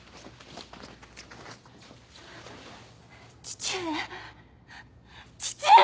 「父上父上！」